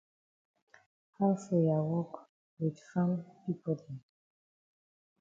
How for ya wok wit farm pipo dem?